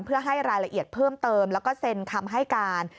เพื่อให้รายละเอียดเพิ่มเติมแล้วก็เซ็นคำให้การ